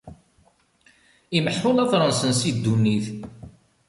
Imeḥḥu later-nsen si ddunit.